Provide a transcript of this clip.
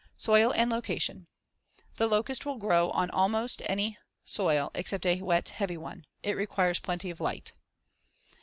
Soil and location: The locust will grow on almost any soil except a wet, heavy one. It requires plenty of light.